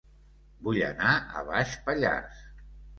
Vull anar a Baix Pallars